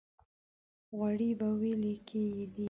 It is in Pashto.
غوړي په وېل کې دي.